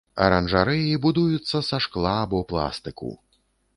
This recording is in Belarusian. Аранжарэі будуюцца са шкла або пластыку.